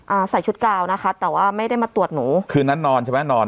อ่าใส่ชุดกาวนะคะแต่ว่าไม่ได้มาตรวจหนูคืนนั้นนอนใช่ไหมนอน